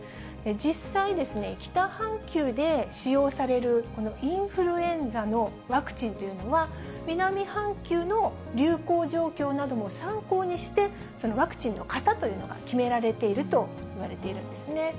実際、北半球で使用されるインフルエンザのワクチンというのは、南半球の流行状況なども参考にして、そのワクチンの型というのが決められているといわれているんですね。